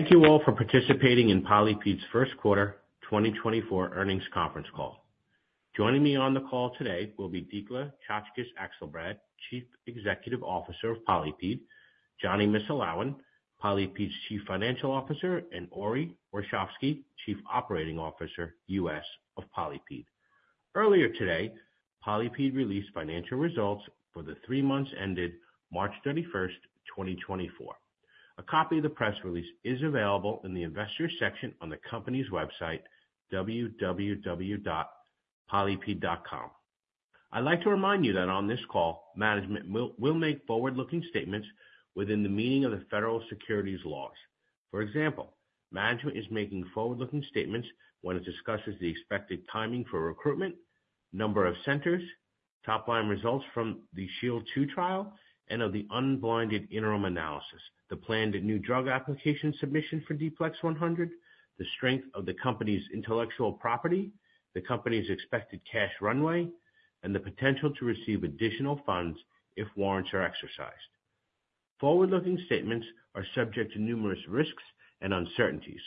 Thank you all for participating in PolyPid's first quarter 2024 earnings conference call. Joining me on the call today will be Dikla Czaczkes Akselbrad, Chief Executive Officer of PolyPid, Jonny Missulawin, PolyPid's Chief Financial Officer, and Ori Warshavsky, Chief Operating Officer, US of PolyPid. Earlier today, PolyPid released financial results for the three months ended March 31, 2024. A copy of the press release is available in the Investors section on the company's website, www.polypid.com. I'd like to remind you that on this call, management will make forward-looking statements within the meaning of the federal securities laws. For example, management is making forward-looking statements when it discusses the expected timing for recruitment, number of centers, top-line results from the SHIELD II trial, and of the unblinded interim analysis, the planned new drug application submission for D-PLEX 100, the strength of the company's intellectual property, the company's expected cash runway, and the potential to receive additional funds if warrants are exercised. Forward-looking statements are subject to numerous risks and uncertainties,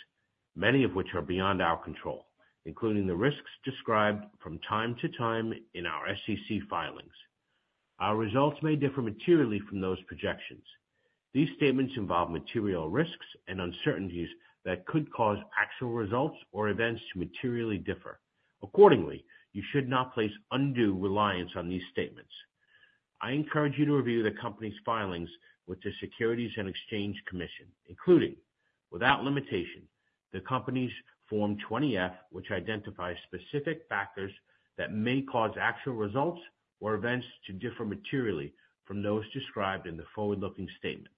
many of which are beyond our control, including the risks described from time to time in our SEC filings. Our results may differ materially from those projections. These statements involve material risks and uncertainties that could cause actual results or events to materially differ. Accordingly, you should not place undue reliance on these statements. I encourage you to review the company's filings with the Securities and Exchange Commission, including, without limitation, the company's Form 20-F, which identifies specific factors that may cause actual results or events to differ materially from those described in the forward-looking statements.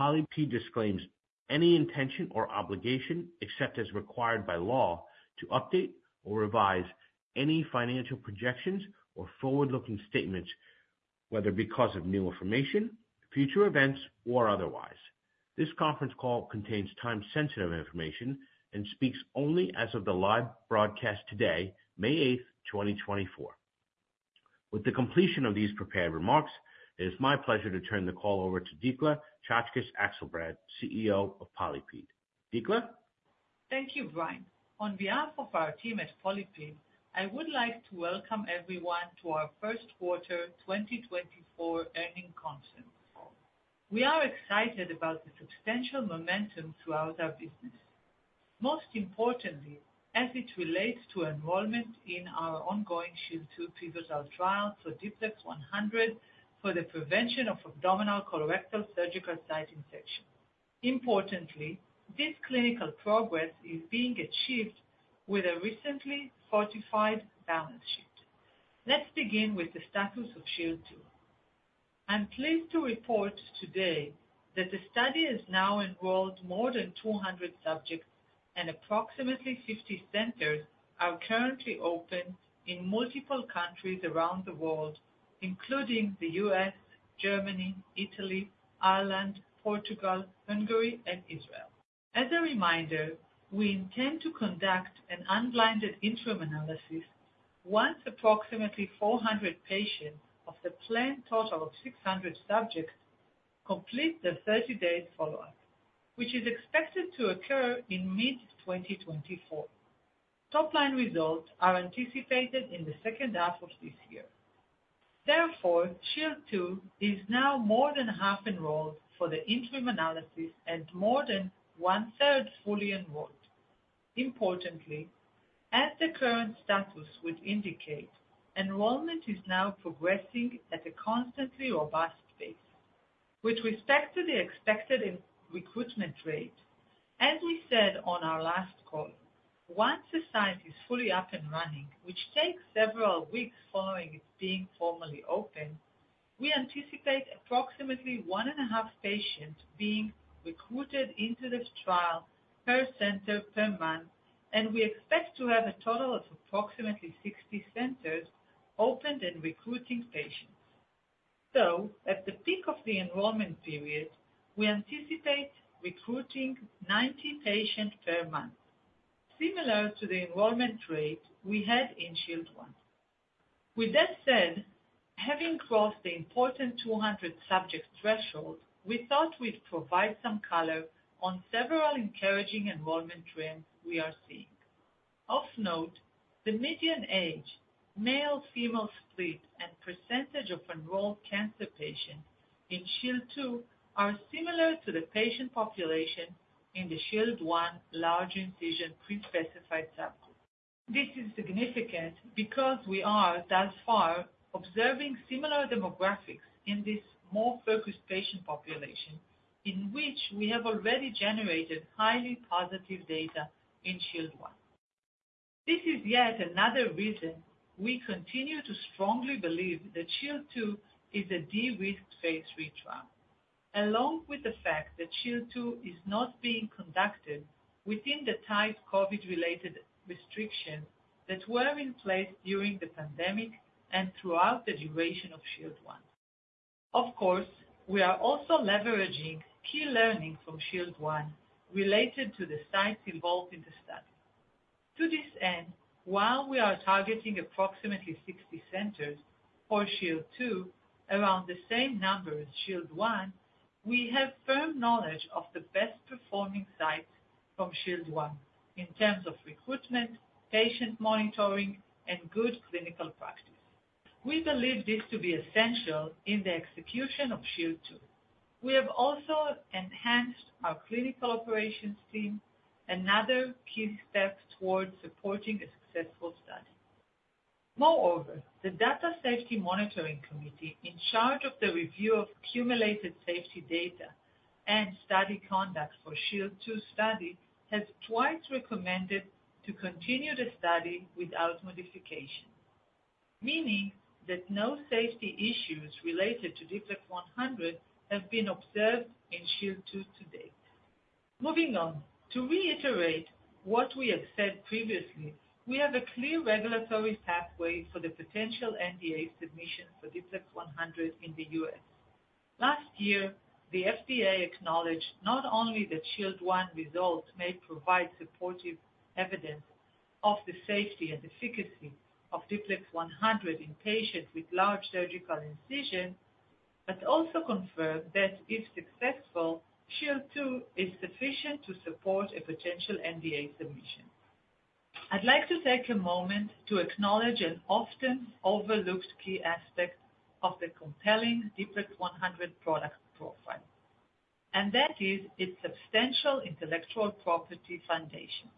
PolyPid disclaims any intention or obligation, except as required by law, to update or revise any financial projections or forward-looking statements, whether because of new information, future events, or otherwise. This conference call contains time-sensitive information and speaks only as of the live broadcast today, May 8, 2024. With the completion of these prepared remarks, it's my pleasure to turn the call over to Dikla Czaczkes Akselbrad, CEO of PolyPid. Dikla? Thank you, Brian. On behalf of our team at PolyPid, I would like to welcome everyone to our first quarter 2024 earnings conference call. We are excited about the substantial momentum throughout our business. Most importantly, as it relates to enrollment in our ongoing SHIELD II pivotal trial for D-PLEX 100 for the prevention of abdominal colorectal surgical site infection. Importantly, this clinical progress is being achieved with a recently fortified balance sheet. Let's begin with the status of SHIELD II. I'm pleased to report today that the study has now enrolled more than 200 subjects, and approximately 50 centers are currently open in multiple countries around the world, including the U.S., Germany, Italy, Ireland, Portugal, Hungary, and Israel. As a reminder, we intend to conduct an unblinded interim analysis once approximately 400 patients of the planned total of 600 subjects complete their 30-day follow-up, which is expected to occur in mid-2024. Top-line results are anticipated in the second half of this year. Therefore, SHIELD II is now more than half enrolled for the interim analysis and more than one-third fully enrolled. Importantly, as the current status would indicate, enrollment is now progressing at a constantly robust pace. With respect to the expected recruitment rate, as we said on our last call, once the site is fully up and running, which takes several weeks following it being formally open, we anticipate approximately 1.5 patients being recruited into this trial per center per month, and we expect to have a total of approximately 60 centers opened and recruiting patients. So at the peak of the enrollment period, we anticipate recruiting 90 patients per month, similar to the enrollment rate we had in SHIELD I. With that said, having crossed the important 200-subject threshold, we thought we'd provide some color on several encouraging enrollment trends we are seeing. Of note, the median age, male-female split, and percentage of enrolled cancer patients in SHIELD II are similar to the patient population in the SHIELD I large incision pre-specified sample. This is significant because we are, thus far, observing similar demographics in this more focused patient population, in which we have already generated highly positive data in SHIELD I. This is yet another reason we continue to strongly believe that SHIELD II is a de-risked phase III trial, along with the fact that SHIELD II is not being conducted within the tight COVID-related restrictions that were in place during the pandemic and throughout the duration of SHIELD I. Of course, we are also leveraging key learnings from SHIELD I related to the sites involved in the study. To this end, while we are targeting approximately 60 centers for SHIELD II, around the same number as SHIELD I, we have firm knowledge of the best performing sites from SHIELD I in terms of recruitment, patient monitoring, and good clinical practice. We believe this to be essential in the execution of SHIELD II. We have also enhanced our clinical operations team, another key step towards supporting a successful study. Moreover, the Data Safety Monitoring Committee, in charge of the review of accumulated safety data and study conduct for SHIELD II study, has twice recommended to continue the study without modification, meaning that no safety issues related to D-PLEX 100 have been observed in SHIELD II to date. Moving on, to reiterate what we have said previously, we have a clear regulatory pathway for the potential NDA submission for D-PLEX 100 in the U.S. Last year, the FDA acknowledged not only that SHIELD I results may provide supportive evidence of the safety and efficacy of D-PLEX 100 in patients with large surgical incisions, but also confirmed that if successful, SHIELD II is sufficient to support a potential NDA submission. I'd like to take a moment to acknowledge an often overlooked key aspect of the compelling D-PLEX 100 product profile, and that is its substantial intellectual property foundation.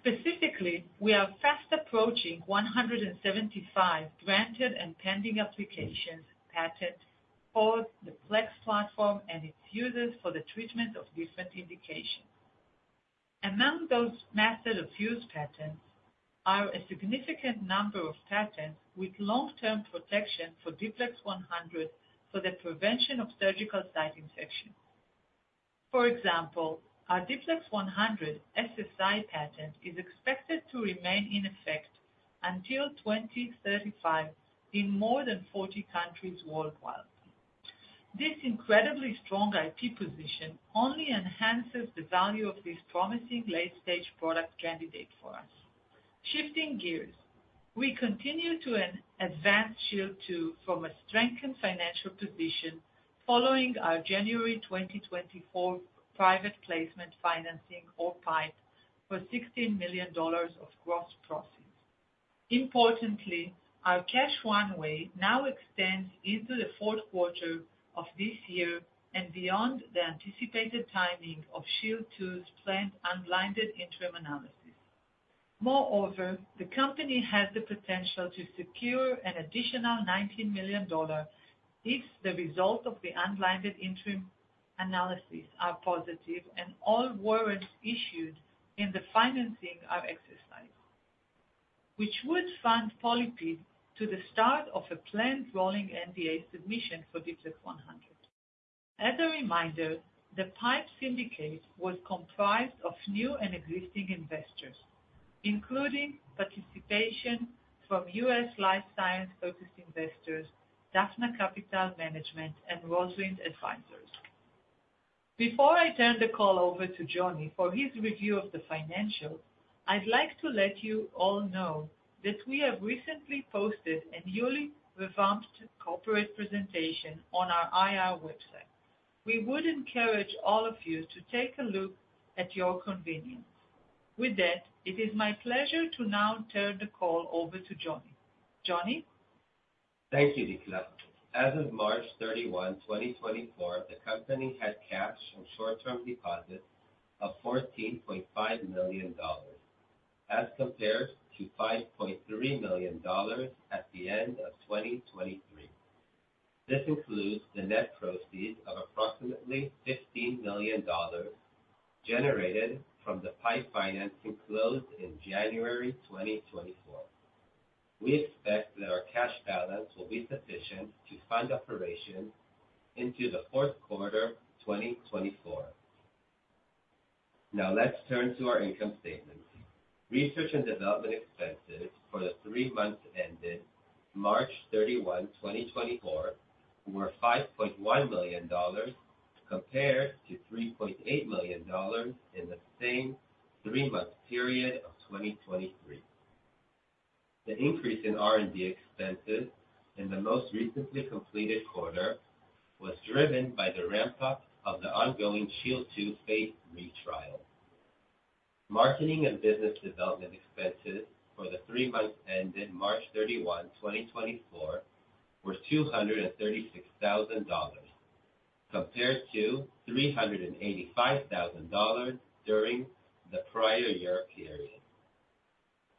Specifically, we are fast approaching 175 granted and pending patent applications for the PLEX platform and its uses for the treatment of different indications. Among those method of use patents are a significant number of patents with long-term protection for D-PLEX 100 for the prevention of surgical site infection. For example, our D-PLEX 100 SSI patent is expected to remain in effect until 2035 in more than 40 countries worldwide. This incredibly strong IP position only enhances the value of this promising late-stage product candidate for us. Shifting gears, we continue to advance SHIELD II from a strengthened financial position following our January 2024 private placement financing, or PIPE, for $16 million of gross proceeds. Importantly, our cash runway now extends into the fourth quarter of this year and beyond the anticipated timing of SHIELD II's planned unblinded interim analysis. Moreover, the company has the potential to secure an additional $19 million if the result of the unblinded interim analysis are positive and all warrants issued in the financing are exercised, which would fund PolyPid to the start of a planned rolling NDA submission for D-PLEX 100. As a reminder, the PIPE syndicate was comprised of new and existing investors, including participation from U.S. life science-focused investors, Dafna Capital Management and Rosalind Advisors. Before I turn the call over to Jonny for his review of the financials, I'd like to let you all know that we have recently posted a newly revamped corporate presentation on our IR website. We would encourage all of you to take a look at your convenience. With that, it is my pleasure to now turn the call over to Jonny. Jonny? Thank you, Dikla. As of March 31, 2024, the company had cash and short-term deposits of $14.5 million, as compared to $5.3 million at the end of 2023. This includes the net proceeds of approximately $15 million generated from the PIPE financing closed in January 2024. We expect that our cash balance will be sufficient to fund operations into the fourth quarter of 2024. Now, let's turn to our income statement. Research and development expenses for the three months ended March 31, 2024, were $5.1 million, compared to $3.8 million in the same three-month period of 2023. The increase in R&D expenses in the most recently completed quarter was driven by the ramp-up of the ongoing SHIELD II phase III trial. Marketing and business development expenses for the three months ended March 31, 2024, were $236,000, compared to $385,000 during the prior year period.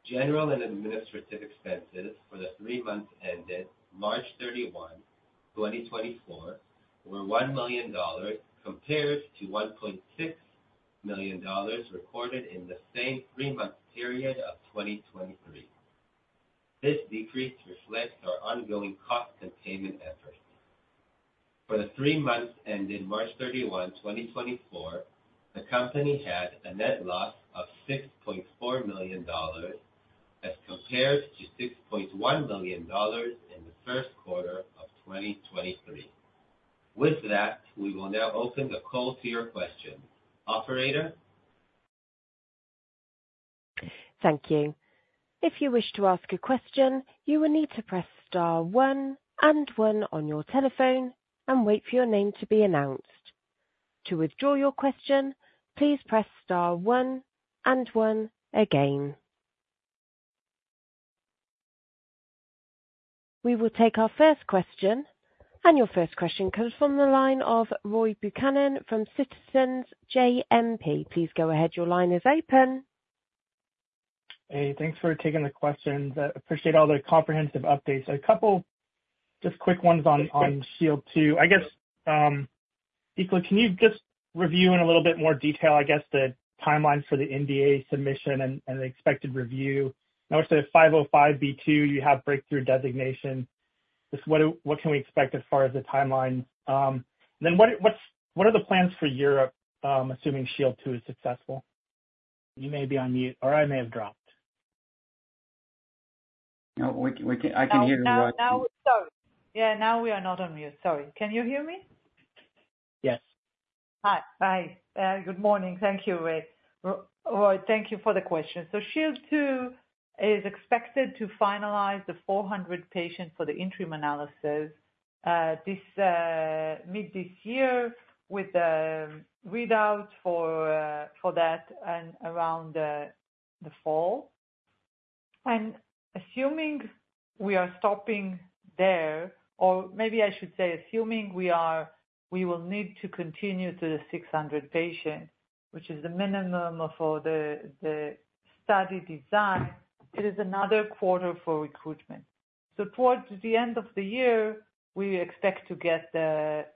General and administrative expenses for the three months ended March 31, 2024, were $1 million, compared to $1.6 million recorded in the same three-month period of 2023. This decrease reflects our ongoing cost containment efforts. For the three months ended March 31, 2024, the company had a net loss of $6.4 million... compared to $6.1 million in the first quarter of 2023. With that, we will now open the call to your questions. Operator? Thank you. If you wish to ask a question, you will need to press star one and one on your telephone and wait for your name to be announced. To withdraw your question, please press star one and one again. We will take our first question, and your first question comes from the line of Roy Buchanan from Citizens JMP. Please go ahead. Your line is open. Hey, thanks for taking the questions. Appreciate all the comprehensive updates. A couple just quick ones on SHIELD II. I guess, Dikla, can you just review in a little bit more detail, I guess, the timeline for the NDA submission and the expected review? I would say 505(b)(2), you have breakthrough designation. Just what can we expect as far as the timeline? Then what are the plans for Europe, assuming SHIELD II is successful? You may be on mute or I may have dropped. No, we can. I can hear you, Roy. Sorry. Yeah, now we are not on mute. Sorry. Can you hear me? Yes. Hi. Hi. Good morning. Thank you, Roy. Roy, thank you for the question. So SHIELD II is expected to finalize the 400-patient for the interim analysis, this mid this year with the readout for for that and around the fall. And assuming we are stopping there, or maybe I should say, assuming we will need to continue to the 600 patients, which is the minimum for the study design, it is another quarter for recruitment. So towards the end of the year, we expect to get that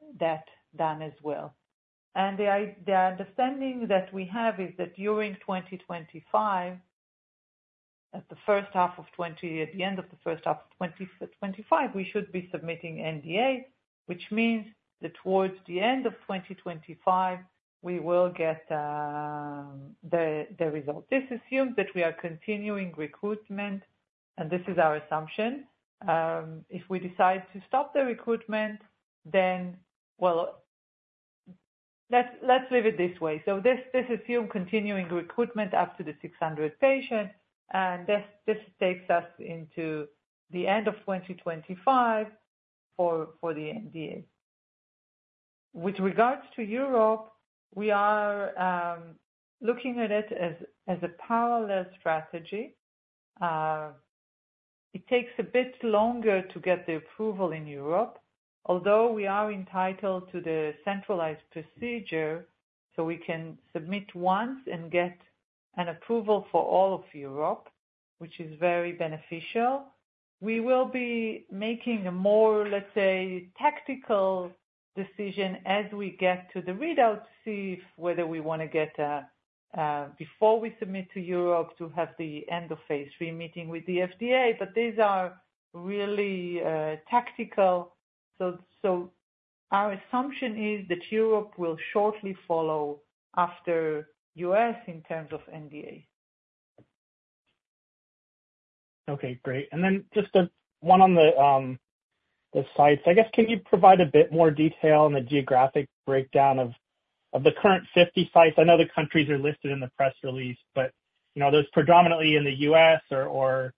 done as well. And the understanding that we have is that during 2025, at the first half of 20. At the end of the first half of 2025, we should be submitting NDA, which means that towards the end of 2025, we will get the result. This assumes that we are continuing recruitment, and this is our assumption. If we decide to stop the recruitment, then well, let's leave it this way. So this assumes continuing recruitment up to the 600 patient, and this takes us into the end of 2025 for the NDA. With regards to Europe, we are looking at it as a parallel strategy. It takes a bit longer to get the approval in Europe, although we are entitled to the centralized procedure, so we can submit once and get an approval for all of Europe, which is very beneficial. We will be making a more, let's say, tactical decision as we get to the readout, to see if whether we wanna get, before we submit to Europe to have the end of phase III meeting with the FDA. But these are really, tactical. So, our assumption is that Europe will shortly follow after US in terms of NDA. Okay, great. And then just one on the sites. I guess, can you provide a bit more detail on the geographic breakdown of the current 50 sites? I know the countries are listed in the press release, but you know, those predominantly in the U.S. or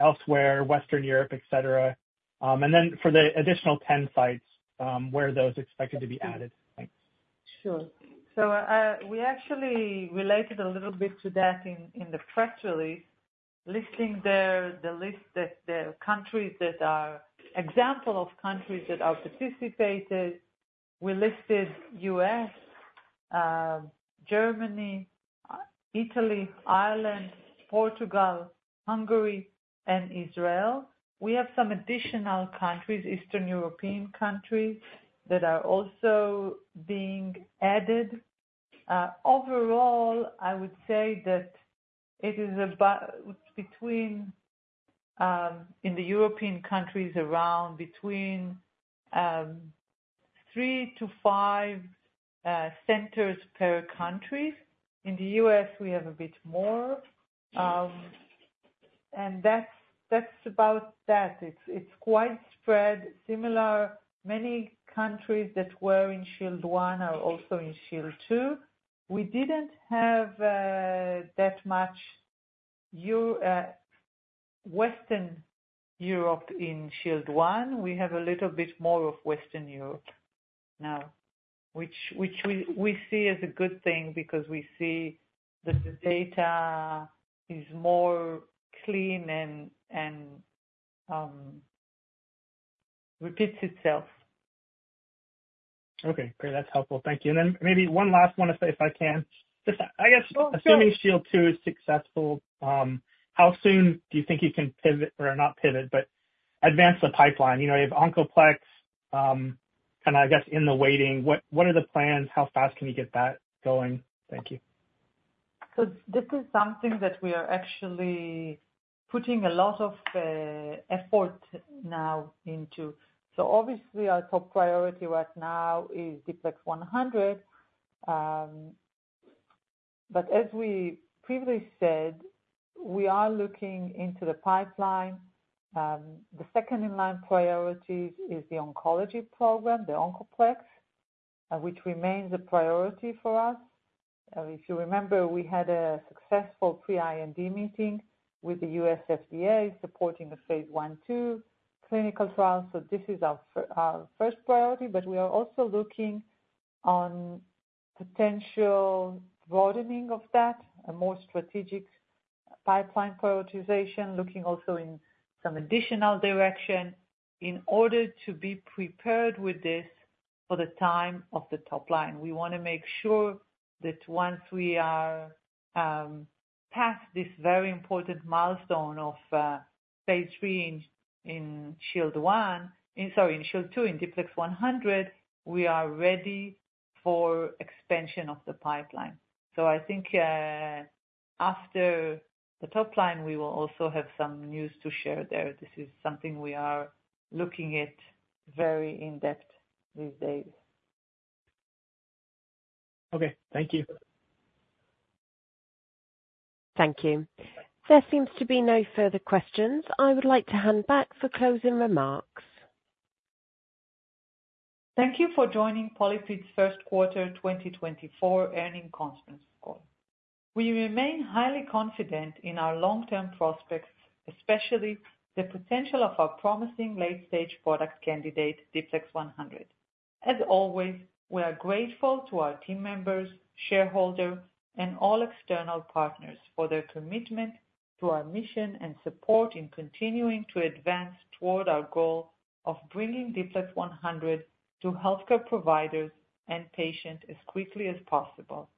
elsewhere, Western Europe, et cetera. And then for the additional 10 sites, where are those expected to be added? Thanks. Sure. So, we actually related a little bit to that in, in the press release, listing the, the list that the countries that are... example of countries that are participated. We listed U.S., Germany, Italy, Ireland, Portugal, Hungary, and Israel. We have some additional countries, Eastern European countries, that are also being added. Overall, I would say that it is about between, in the European countries, around between, 3-5, centers per country. In the U.S., we have a bit more, and that's, that's about that. It's, it's quite spread similar. Many countries that were in SHIELD I are also in SHIELD II. We didn't have, that much Western Europe in SHIELD I. We have a little bit more of Western Europe now, which we see as a good thing because we see that the data is more clean and repeats itself. Okay, great. That's helpful. Thank you. And then maybe one last one, if I, if I can. Just I guess- Oh, sure. Assuming SHIELD II is successful, how soon do you think you can pivot or not pivot, but advance the pipeline? You know, you have OncoPLEX, kind of, I guess, in the waiting. What, what are the plans? How fast can you get that going? Thank you. So this is something that we are actually putting a lot of effort now into. So obviously, our top priority right now is D-PLEX 100. But as we previously said, we are looking into the pipeline. The second in line priorities is the oncology program, the OncoPLEX, which remains a priority for us. If you remember, we had a successful pre-IND meeting with the US FDA, supporting the phase I/II clinical trial. So this is our first priority, but we are also looking on potential broadening of that, a more strategic pipeline prioritization, looking also in some additional direction in order to be prepared with this for the time of the top line. We wanna make sure that once we are past this very important milestone of phase III in SHIELD I, sorry, in SHIELD II, in D-PLEX 100, we are ready for expansion of the pipeline. So I think after the top line, we will also have some news to share there. This is something we are looking at very in-depth these days. Okay, thank you. Thank you. There seems to be no further questions. I would like to hand back for closing remarks. Thank you for joining PolyPid's first quarter 2024 earnings conference call. We remain highly confident in our long-term prospects, especially the potential of our promising late-stage product candidate, D-PLEX 100. As always, we are grateful to our team members, shareholders, and all external partners for their commitment to our mission and support in continuing to advance toward our goal of bringing D-PLEX 100 to healthcare providers and patients as quickly as possible.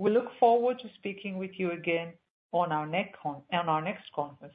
We look forward to speaking with you again on our next conference call.